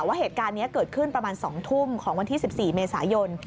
ว่าเหตุการณ์นี้เกิดขึ้นประมาณ๒ทุ่มของวันที่๑๔เมษายน